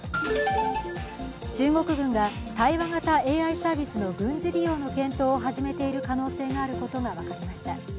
中国軍が対話型ＡＩサービスの軍事利用の検討を始めている可能性があることが分かりました。